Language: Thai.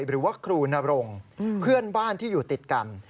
หรือว่าครูนรงเพื่อนบ้านที่อยู่ติดกัน